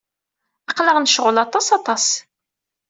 Aql-aɣ necɣel aṭas, aṭas.